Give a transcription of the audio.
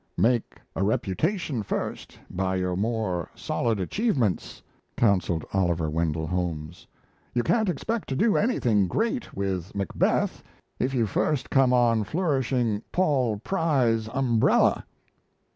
_" "Make a reputation first by your more solid achievements," counselled Oliver Wendell Holmes. "You can't expect to do anything great with Macbeth, if you first come on flourishing Paul Pry's umbrella."